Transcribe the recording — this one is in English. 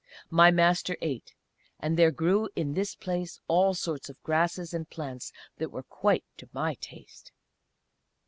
My Master ate; and there grew in this place all sorts of grasses and plants that were quite to my taste.